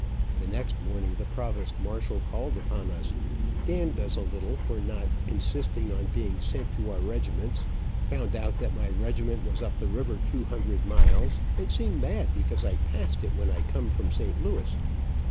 The next morning the provost marshal called upon us, damned us a little for not insisting on being sent to our regiments, found out that my regiment was up the river two hundred miles, and seemed mad because I passed it when I come from St. Louis.